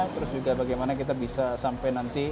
terus juga bagaimana kita bisa sampai nanti